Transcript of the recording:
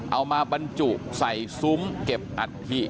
เอามาบรรจุใส่สุมเก็บอัธิ